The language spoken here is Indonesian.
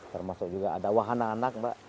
termasuk juga ada wahana anak mbak